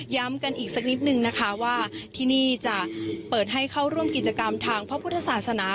กันอีกสักนิดนึงนะคะว่าที่นี่จะเปิดให้เข้าร่วมกิจกรรมทางพระพุทธศาสนา